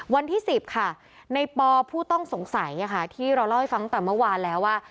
วันที่๑๐ค่ะในปอผู้ต้องสงสัยที่เราเล่าให้ฟังตั้งแต่เมื่อวานแล้วว่า